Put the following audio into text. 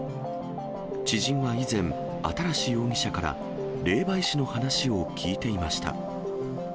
知人は以前、新容疑者から霊媒師の話を聞いていました。